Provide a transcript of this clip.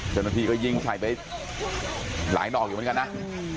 เจ้าหน้าที่ก็ยิงใส่ไปหลายดอกอยู่เหมือนกันนะ